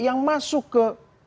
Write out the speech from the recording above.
yang masuk ke